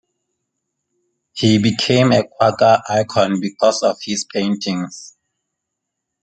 He became a Quaker icon because of his paintings.